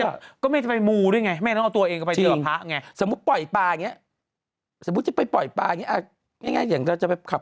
แม่ก็ไม่จะไปมูด้วยไงแม่ก็ต้องเอาตัวเองกลับ